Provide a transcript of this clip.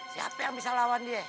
siapa yang bisa lawan dia